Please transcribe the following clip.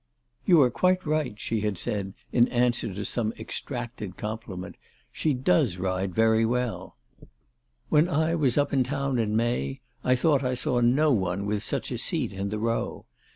"You are quite right," she had said in answer to some extracted compliment ;" she does ride 350 ALICE DUGDALE. very well. When I was up in town in May I thought I saw no one with such a seat in the row.